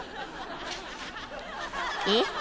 ［えっ？